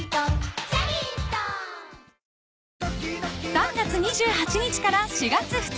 ［３月２８日から４月２日